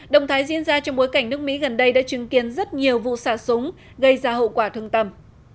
động thái diễn ra trong bối cảnh nước mỹ gần đây đã chứng kiến rất nhiều vụ xả súng gây ra hậu quả thương tầm